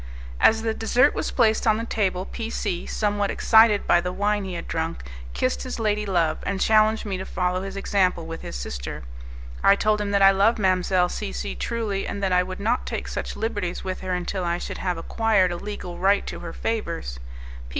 As the dessert was placed on the table, P C , somewhat excited by the wine he had drunk, kissed his lady love, and challenged me to follow his example with his sister. I told him that I loved Mdlle. C C truly, and that I would not take such liberties with her until I should have acquired a legal right to her favours.